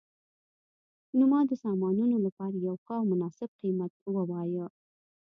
نو ما د سامانونو لپاره یو ښه او مناسب قیمت وواایه